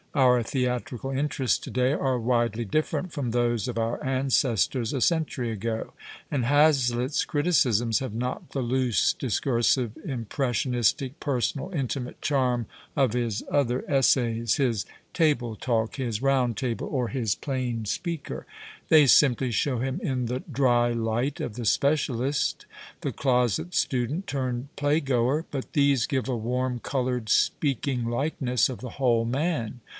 Our theatrical interests to day are widely different from those of our ancestors a century ago. And Ilazlitt's criticisms have not the loose, discursive, impres sionistic, personal, intimate charm of his other 200 WILLIAM IIAZLITT essays, his " Table Talk," his " Round Table," or his " Plain Speaker." The}' simply show him in the " dry light " of the specialist, the closet student turned playgoer, but these give a warm, coloured, speaking hkeness of the whole man.